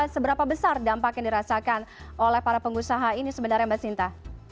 seberapa besar dampak yang dirasakan oleh para pengusaha ini sebenarnya mbak sinta